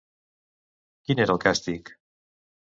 Quin era el càstig?